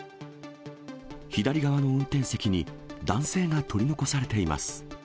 左側の運転席に男性が取り残されています。